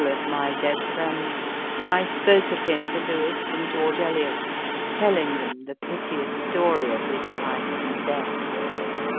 Full of my dead friend, I spoke of him to Lewes and George Eliot, telling them the piteous story of his life and death.